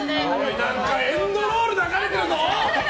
何かエンドロール流れてるぞ！